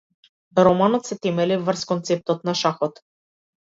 Романот се темели врз концептот на шахот.